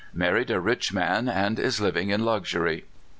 — married a rich man, and is living in luxury.